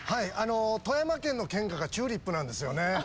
富山県の県花がチューリップなんですよね。